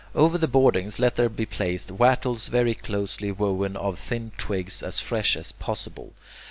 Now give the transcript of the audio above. Over the boardings let there be placed wattles very closely woven of thin twigs as fresh as possible.